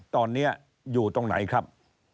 ตอนนี้อยู่ตรงไหนครับ